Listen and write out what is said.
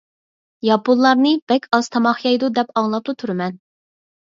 ياپونلارنى بەك ئاز تاماق يەيدۇ دەپ ئاڭلاپلا تۇرىمەن.